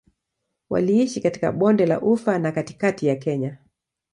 Waliishi katika Bonde la Ufa na katikati ya Kenya.